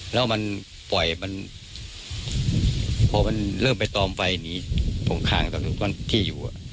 แล้วมันปล่อยมันพอมันเริ่มไปตอมไฟหนีตรงข้างที่อยู่